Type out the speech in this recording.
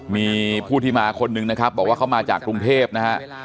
มีผู้ที่มาคนนึงนะครับบอกว่าเขามาจากกรุงเทพนะฮะ